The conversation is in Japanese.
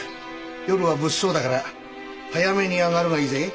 夜は物騒だから早めにあがるがいいぜ。